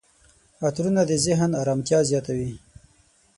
عطرونه د ذهن آرامتیا زیاتوي.